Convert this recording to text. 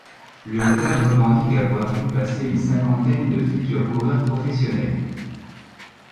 Le club revendique avoir vu passer une cinquantaine de futurs coureur professionnels.